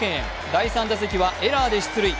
第３打席はエラーで出塁。